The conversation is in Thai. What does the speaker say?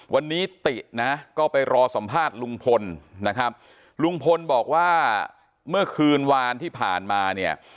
วันนี้ตินะก็ไปรอสัมภาษณ์ลุงพลนะครับลุงพลบอกว่าเมื่อคืนวานที่ผ่านมาเนี่ย